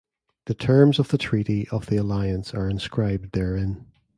The terms of the treaty of the alliance are inscribed therein.